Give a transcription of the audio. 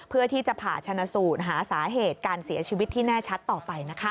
เพื่อที่จะผ่าชนะสูตรหาสาเหตุการเสียชีวิตที่แน่ชัดต่อไปนะคะ